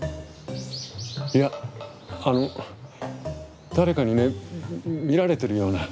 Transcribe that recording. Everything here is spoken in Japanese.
いやあの誰かにね見られてるような。